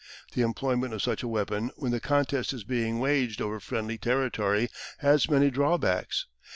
The employment of such a weapon when the contest is being waged over friendly territory has many drawbacks.